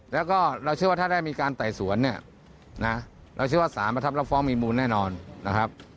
แล้วก็เราเชื่อว่าถ้าได้มีการไต่สวนเนี่ยนะเราเชื่อว่าสารประทับรับฟ้องมีมูลแน่นอนนะครับ